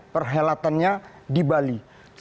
perhelatannya di bali